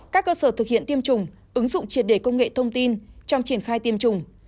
các cơ sở thực hiện tiêm chủng ứng dụng triệt đề công nghệ thông tin trong triển khai tiêm chủng